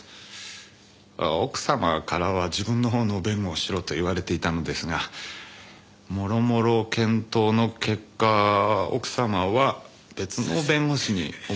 奥様からは自分のほうの弁護をしろと言われていたのですが諸々検討の結果奥様は別の弁護士にお任せしようと。